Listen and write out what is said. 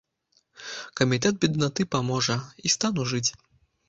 Камітэт беднаты паможа, і стану жыць.